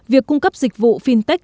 việc cung cấp dịch vụ fintech